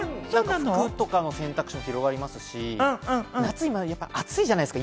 服の選択肢も広がりますし、夏は暑いじゃないですか。